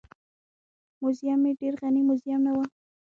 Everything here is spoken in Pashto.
موزیم یې ډېر غني موزیم نه و.